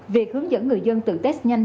việc hướng dẫn người dân tự test nhanh